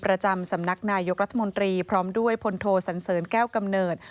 ประจำสำนักนายกรัฐมนตรีพร้อมด้วยพลโทสันเสริญแก้วกำเนิด